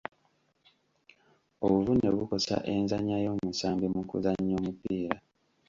Obuvune bukosa enzannya y'omusambi mu kuzannya omupiira.